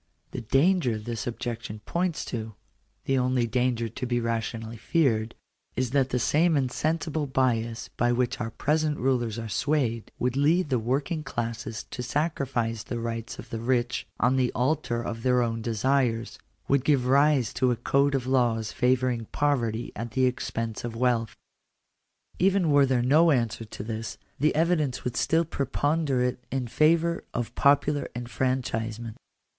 The danger this objection points to — the only danger to be rationally feared — is that the same insensible bias by which our present rulers are swayed, would lead the working classes to sacrifice the rights of the rich on the altar of their own desires — would give rise to a code of laws favouring poverty at the expense of wealth. Even were there no answer to this, the evidence would still preponderate in favour of popular enfranchisement.